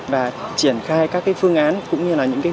và triển khai các phương án cũng như là những